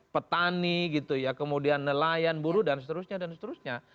petani gitu ya kemudian nelayan buruh dan seterusnya